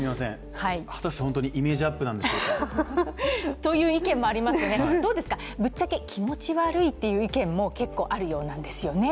果たして本当にイメージアップなんでしょうか？という意見もありますね、どうですか、ぶっちゃけ気持ち悪いという意見も結構、あるようなんですよね。